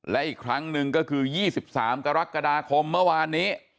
และอีกครั้งหนึ่งก็คือ๒๓กรกฎาคมเมื่อวานนี้